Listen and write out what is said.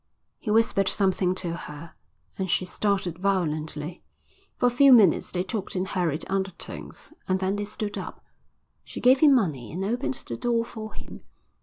He whispered something to her, and she started violently. For a few minutes they talked in hurried undertones, and then they stood up. She gave him money and opened the door for him.